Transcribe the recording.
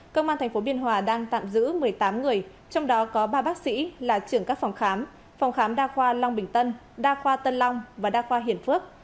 công an tp biên hòa đang tạm giữ một mươi tám người trong đó có ba bác sĩ là trưởng các phòng khám phòng khám đa khoa long bình tân đa khoa tân long và đa khoa hiền phước